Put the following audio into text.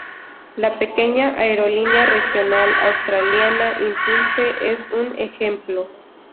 La pequeña aerolínea regional australiana Impulse es un ejemplo.